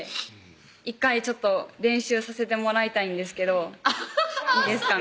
１回ちょっと練習させてもらいたいんですけどいいですかね